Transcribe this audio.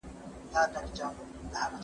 هغه وويل چي جواب ورکول مهم دي